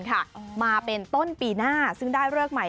มาเป็นต้นปีหน้าซึ่งได้เลิกใหม่